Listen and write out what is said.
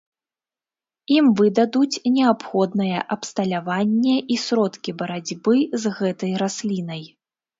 Ім выдадуць неабходнае абсталяванне і сродкі барацьбы з гэтай раслінай.